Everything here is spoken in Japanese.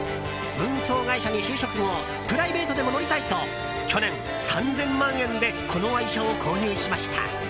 運送会社に就職後プライベートでも乗りたいと去年、３０００万円でこの愛車を購入しました。